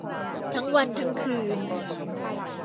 ทั้งวันทั้งคืน